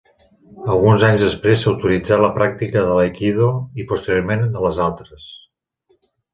Alguns anys després s'autoritzà la pràctica de l'aikido i posteriorment de les altres.